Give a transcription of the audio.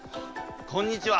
こんにちは！